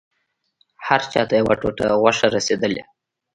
هر چا ته يوه ټوټه غوښه رسېدله.